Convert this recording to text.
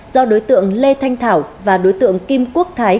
do đối tượng lê thanh thảo và đối tượng kim quốc thái